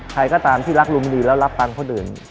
ใครก็ตามที่รักรูมินีและรับตังค์คนอื่น